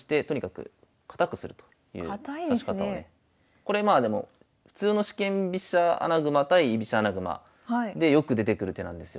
これまあでも普通の四間飛車穴熊対居飛車穴熊でよく出てくる手なんですよ。